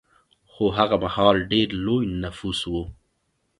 خو هغه مهال ډېر لوی نفوس و